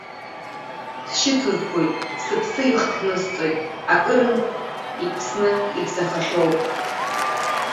Дшьыцызгоит, сыԥсы ихҭнысҵоит, акырынтә иԥсны ибзахахьоу.